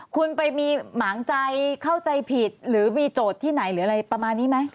คุณไปมีหมางใจเข้าใจผิดหรือมีโจทย์ที่ไหนหรืออะไรประมาณนี้ไหม